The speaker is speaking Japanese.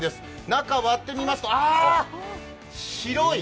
中割ってみますと、あ、白い！